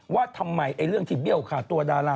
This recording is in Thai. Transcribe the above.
ว่าทำไมอะไรเบี้ยงกว่าตัวดารา